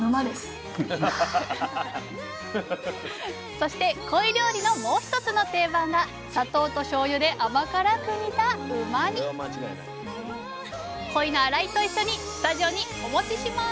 そしてコイ料理のもう一つの定番が砂糖としょうゆで甘辛く煮たうま煮コイの洗いと一緒にスタジオにお持ちします